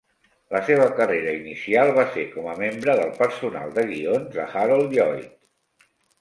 La seva carrera inicial va ser com a membre del personal de guions de Harold Lloyd.